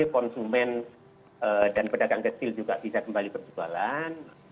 konsumen dan pedagang kecil juga bisa kembali berjualan